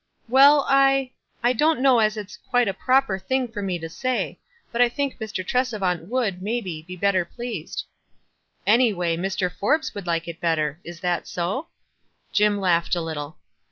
"Well, I — I don't know as it's quite a proper thing for rue to say ; but I think Mr. Tresevant would, maybe, be better pleased." "Anyway, Mr. Forbes would like it better. Is that so?" Jim laughed a little.